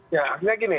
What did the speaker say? ya maksudnya gini